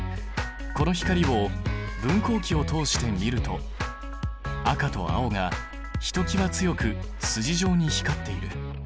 この光を分光器を通して見ると赤と青がひときわ強く筋状に光っている。